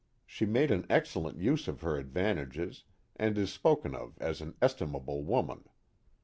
She made an excellent use of her advantages, and is spoken of as an estimable woman.